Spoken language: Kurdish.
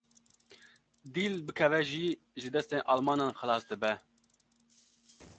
Dîl bikeve jî ji destê Almanan xelas dibe?